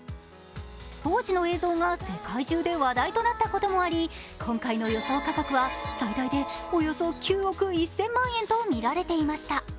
当時の映像が世界中で話題となったこともあり今回の予想価格は最大でおよそ９億１０００万円とされていました。